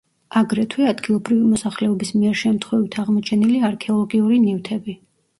აგრეთვე, ადგილობრივი მოსახლეობის მიერ შემთხვევით აღმოჩენილი არქეოლოგიური ნივთები.